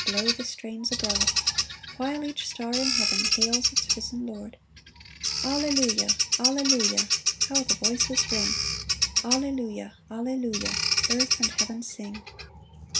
Blow the strains abroad, While each star in heaven Hails its risen Lord !" Alleluia ! Alleluia !"— How the voices ring ! Alleluia ! Alleluia !" Earth and heaven sing